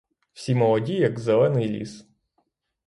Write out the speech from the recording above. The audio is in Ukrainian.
Всі молоді, як зелений ліс.